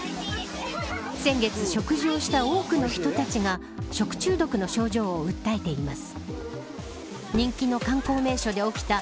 先月、食事をした多くの人たちが食中毒の症状を訴えています。